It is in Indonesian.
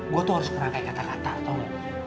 gue tuh harus kerangkai kata kata tau gak